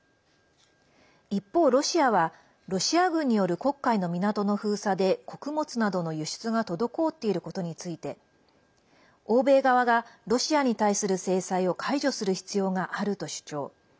一方、ロシアはロシア軍による黒海の港の封鎖で穀物などの輸出が滞っていることについて欧米側が、ロシアに対する制裁を解除する必要があると主張。